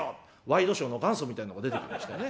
ワイドショーの元祖みたいのが出てきましてね。